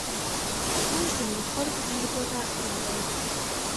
موږ د نورو خلکو تجربو ته اړتیا لرو.